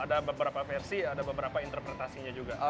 ada beberapa versi ada beberapa interpretasinya juga